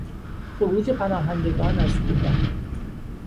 خروج پناهندگان از کوبا